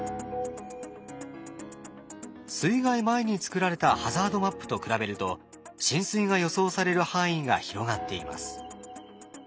水害前に作られたハザードマップと比べると浸水が予想される範囲が広がっています。